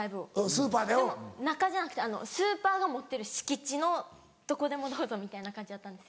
でも中じゃなくてスーパーが持ってる敷地のどこでもどうぞみたいな感じだったんです。